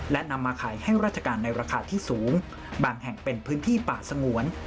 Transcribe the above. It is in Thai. และนำมาขายให้ราชการในราคาที่สูงบางแห่งเป็นพื้นที่ป่าสงวน